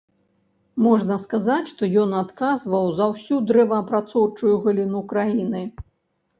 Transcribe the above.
Можна сказаць, што ён адказваў за ўсю дрэваапрацоўчую галіну краіны.